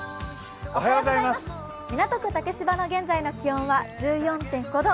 港区竹芝の現在の気温は１４．５度。